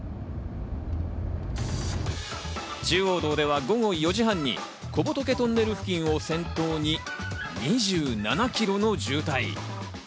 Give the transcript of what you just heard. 中央道では午後４時半に小仏トンネル付近を先頭に２７キロの渋滞。